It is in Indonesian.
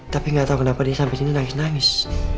tapi gak tau kenapa dia sampe sini nangis nangis